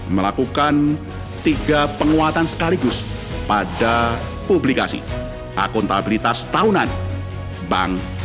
melakukan tiga penguatan sekaligus pada publikasi akuntabilitas tahunan dalam hal penerbangan ekonomi